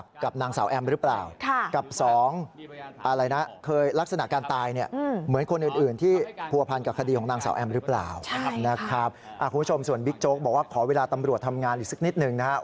ของนางสาวแอมรึเปล่านะครับคุณผู้ชมส่วนบิ๊กโจ๊กบอกว่าขอเวลาตำรวจทำงานอีกสักนิดหนึ่งนะครับ